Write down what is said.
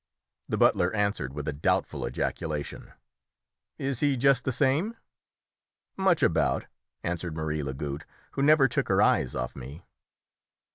The butler answered with a doubtful ejaculation. "Is he just the same?" "Much about," answered Marie Lagoutte, who never took her eyes off me.